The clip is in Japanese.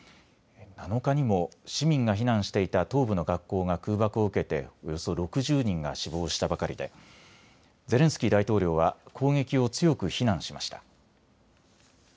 ７日にも市民が避難していた東部の学校が空爆を受けておよそ６０人が死亡したばかりでゼレンスキー大統領は攻撃を強く非難しました。